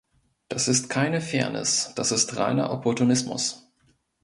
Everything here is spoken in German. Das ist keine Fairness, das ist reiner Opportunismus.